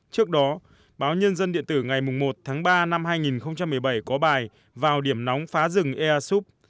trước đó báo nhân dân điện tử ngày một tháng ba năm hai nghìn một mươi bảy có bài vào điểm nóng phá rừng ea súp